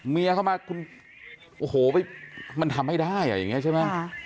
เมียเข้ามาคุณโอ้โหมันทำไม่ได้อย่างนี้ใช่ไหม